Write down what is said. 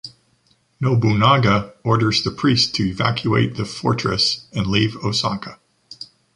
Nobunaga orders the priest to evacuate the fortress and leave Osaka.